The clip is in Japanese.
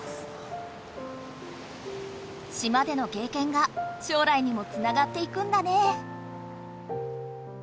島でのけいけんがしょう来にもつながっていくんだね。